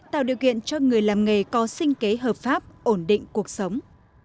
tạo điều kiện cho người làm nghề có sinh kế hợp pháp ổn định cuộc sống